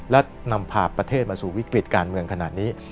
และนำพาประเทศมาสู่วิกฤติการเมืองขนาดนี้